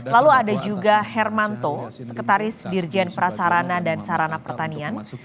lalu ada juga hermanto sekretaris dirjen prasarana dan sarana pertanian